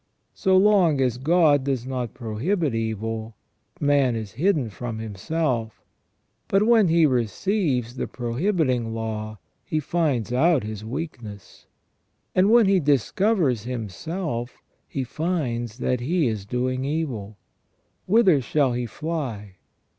So long as God does not prohibit evil, man is hidden from himself ; but when he receives the pro hibiting law he finds out his weakness. And when he dis covers himself, he finds that he is doing evil. Whither shall he fly?